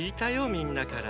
みんなから。